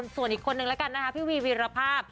ส่วนอีกคนนึงแล้วกันนะคะพี่วีวีรภาพ